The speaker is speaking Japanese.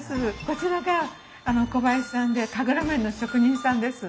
こちらが小林さんで神楽面の職人さんです。